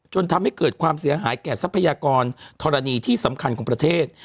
จนทำให้เกิดความเสียหายแก่ทรัพยากรธรณีที่สำคัญของประเทศ